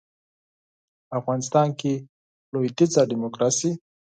په افغانستان کې لویدیځه ډیموکراسي